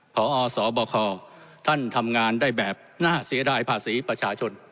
พอสบคท่านทำงานได้แบบน่าเสียดายภาษีประชาชน